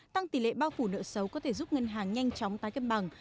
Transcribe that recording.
tăng tỷ lệ bao phủ nợ xấu có thể giúp ngân hàng nhanh chóng tái cấp bằng